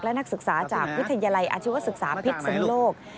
และนักศึกษาจากวิทยาลัยอาชีวศึกษาพิษสนุโลก